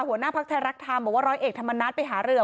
หัวหน้าภักดิ์ไทยรักธรรมบอกว่าร้อยเอกธรรมนัฐไปหารือ